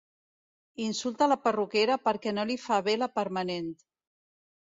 Insulta la perruquera perquè no li fa bé la permanent.